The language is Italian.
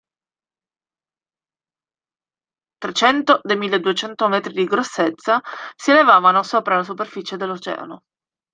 Trecento dei milleduecento metri di grossezza, si elevavano sopra la superficie dell'Oceano.